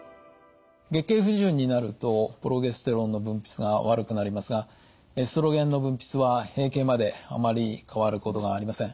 月経不順になるとプロゲステロンの分泌が悪くなりますがエストロゲンの分泌は閉経まであまり変わることがありません。